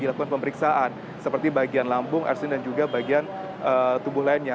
dilakukan pemeriksaan seperti bagian lambung arsen dan juga bagian tubuh lainnya